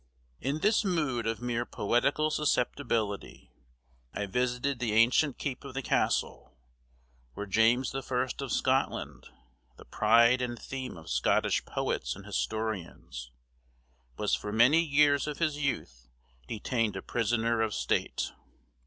In this mood of mere poetical susceptibility, I visited the ancient keep of the castle, where James the First of Scotland, the pride and theme of Scottish poets and historians, was for many years of his youth detained a prisoner of state.